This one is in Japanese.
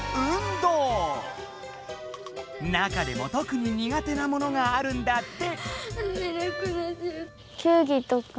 中でもとくに苦手なものがあるんだって。